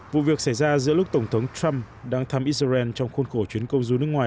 vụ việc xảy ra giữa lúc tổng thống trump đang thăm israel trong khuôn khổ chuyến công du nước ngoài